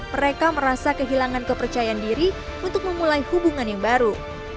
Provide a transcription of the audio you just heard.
mereka merasa kehilangan kepercayaan diri untuk memulai hubungan yang baru